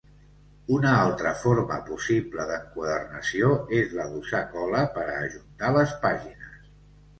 Una altra forma possible d'enquadernació és la d'usar cola per a ajuntar les pàgines.